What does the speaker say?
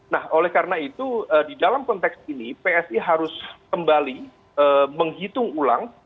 nah oleh karena itu di dalam konteks ini psi harus kembali menghitung ulang